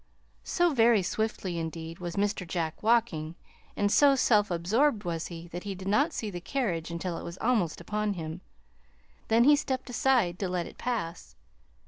So very swiftly, indeed, was Mr. Jack walking, and so self absorbed was he, that he did not see the carriage until it was almost upon him; then he stepped aside to let it pass.